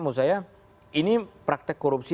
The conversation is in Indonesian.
menurut saya ini praktek korupsi